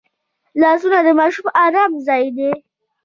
لاسونه د ماشوم ارام ځای دی